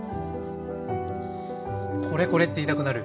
「これこれ！」って言いたくなる。